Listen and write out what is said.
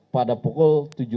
pada pukul tujuh belas